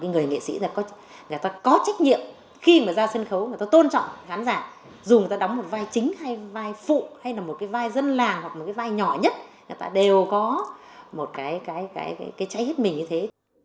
người nghệ sĩ người ta có trách nhiệm khi mà ra sân khấu người ta tôn trọng khán giả dù người ta đóng một vai chính hay vai phụ hay là một cái vai dân làng hoặc một cái vai nhỏ nhất người ta đều có một cái trái hết mình như thế